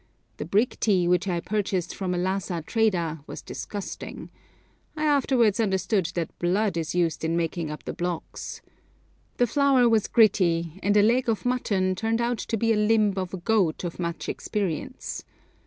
The brick tea which I purchased from a Lhassa trader was disgusting. I afterwards understood that blood is used in making up the blocks. The flour was gritty, and a leg of mutton turned out to be a limb of a goat of much experience.